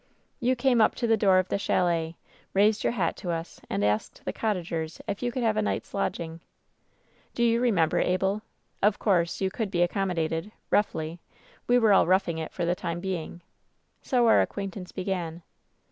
"You came up to the door of the chalet, raised your hat to us and asked the cottagers if you could have a night's lodging. "Do you remember, Abel ? Of course you could be WHEN SHADOWS DIE JWl accommodated — roughly; we were all 'roughing it' for the time being. "So our acquaintance began.